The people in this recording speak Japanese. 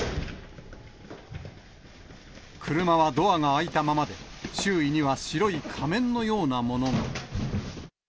車はドアが開いたままで、周囲には白い仮面のようなものも。